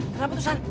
kenapa tuh sant